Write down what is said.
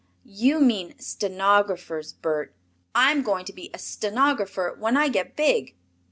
"You mean sten_o_graphers, Bert. I'm going to be a sten_o_grapher when I get big."